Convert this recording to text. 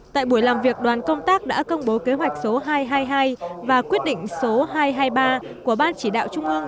tại buổi làm việc đoàn công tác đã công bố kế hoạch số hai trăm hai mươi hai và quyết định số hai trăm hai mươi ba của ban chỉ đạo trung ương